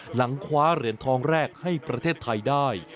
หลังคว้าเหรียญทองแรกให้ประเทศไทยได้